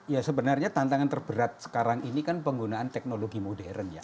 ya sebenarnya tantangan terberat sekarang ini kan penggunaan teknologi modern ya